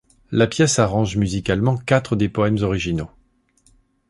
La pièce arrange musicalement quatre des poèmes originaux.